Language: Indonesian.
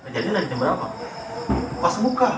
jadi lagi jam berapa masuk buka